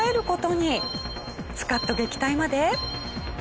スカッと撃退まで。